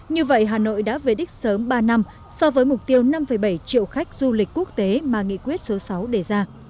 như vậy hà nội đã về đích sớm ba năm so với mục tiêu năm bảy triệu khách du lịch quốc tế mà nghị quyết số sáu đề ra